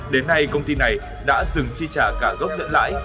đến nay công ty này đã dừng chi trả cả góp lợi lãi